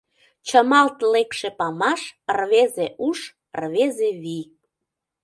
Чымалт лекше памаш — рвезе уш, рвезе вий.